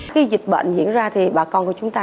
khi dịch bệnh diễn ra thì bà con của chúng ta